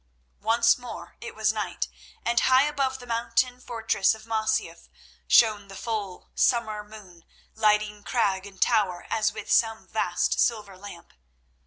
Once more it was night, and high above the mountain fortress of Masyaf shone the full summer moon, lighting crag and tower as with some vast silver lamp.